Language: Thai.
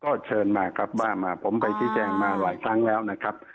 ก็เชิญมากลับบ้านมาผมไปชี้แจงมาหลายครั้งแล้วนะครับ